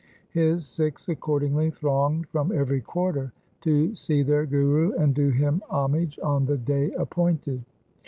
His Sikhs accord ingly thronged from every quarter to see their Guru and do him homage on the day appointed.